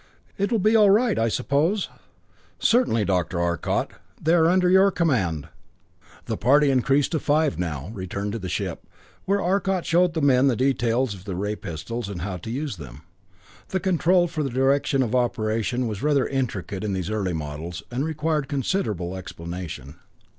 It will be all right, I suppose?" "Certainly, Dr. Arcot. They are under your command." The party, increased to five now, returned to the ship, where Arcot showed the men the details of the ray pistols, and how to use them. The control for direction of operation was rather intricate in these early models, and required considerable explanation.